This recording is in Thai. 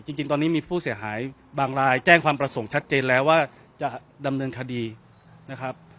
จริงตอนนี้มีผู้เสียหายบางรายแจ้งความประสงค์ชัดเจนแล้วว่าจะดำเนินคดีนะครับ